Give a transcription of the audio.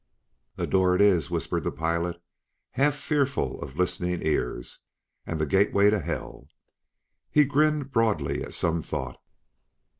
"A door it is," whispered the pilot, half fearful of listening ears, "and the gateway to Hell!" He grinned broadly at some thought.